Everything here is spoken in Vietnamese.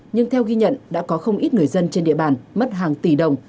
nhưng theo ghi nhận đã có không ít người dân trên địa bàn mất hàng tỷ đồng